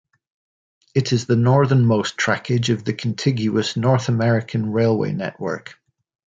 It is the northernmost trackage of the contiguous North American railway network.